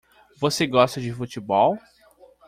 Você gosta de futebol?